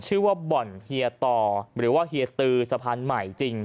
ชื่อว่าบ่อนเฮียต่อหรือว่าเฮียตือสะพานใหม่จริง